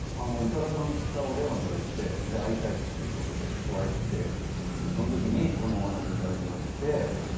豊さんからお電話をいただいて会いたいということでお会いしてその時にこのお話をいただきまして。